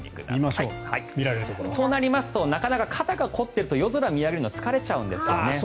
そうなりますとなかなか肩が凝っていると夜空を見上げるのは疲れちゃうんですよね。